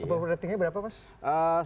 approval ratingnya berapa mas